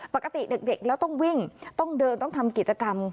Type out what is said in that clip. ปกติเด็กแล้วต้องวิ่งต้องเดินต้องทำกิจกรรม